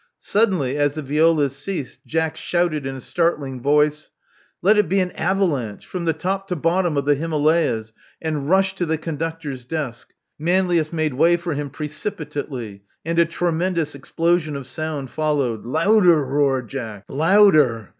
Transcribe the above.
Suddenly, as the violas ceased, Jack shouted in a startling voice, Let it be an avalanche. From the top to bottom of the Himalayas"; and rushed to the conductor's desk. Manlius made way for him precipitately; and a tre mendous explosion of sound followed. Louder," roared Jack. "Louder.